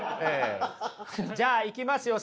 じゃあ行きますよ